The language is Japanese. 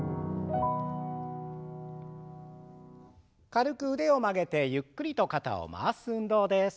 軽く腕を曲げてゆっくりと肩を回す運動です。